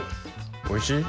おいしい？